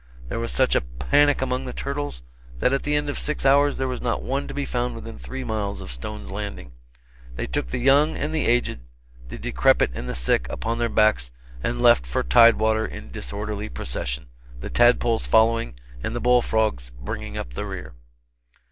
There was such a panic among the turtles that at the end of six hours there was not one to be found within three miles of Stone's Landing. They took the young and the aged, the decrepit and the sick upon their backs and left for tide water in disorderly procession, the tadpoles following and the bull frogs bringing up the rear.